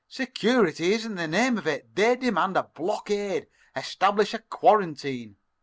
Security isn't the name for it. They demand a blockade, establish a quarantine.